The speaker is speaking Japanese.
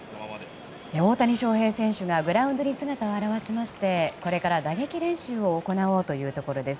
大谷翔平選手がグラウンドに姿を現しましてこれから打撃練習を行おうというところです。